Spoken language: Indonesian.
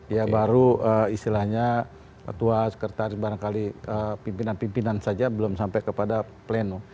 ya baru istilahnya ketua sekretaris barangkali pimpinan pimpinan saja belum sampai kepada pleno